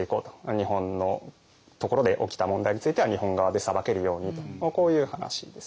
日本のところで起きた問題については日本側で裁けるようにと。こういう話ですね。